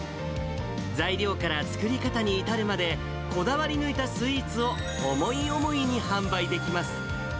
材料から作り方に至るまで、こだわり抜いたスイーツを、思い思いに販売できます。